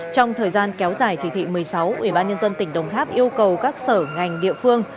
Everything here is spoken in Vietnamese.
trong thời gian kéo dài chỉ thị một mươi sáu ủy ban nhân dân tỉnh đồng tháp yêu cầu các sở ngành địa phương